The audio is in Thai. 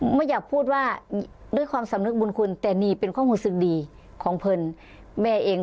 ไม่อยากพูดว่าด้วยความสำนึกบุญคุณแต่นี่เป็นความรู้สึกดีของเพลินแม่เอง